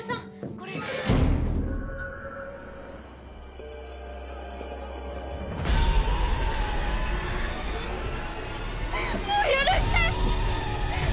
これもう許して！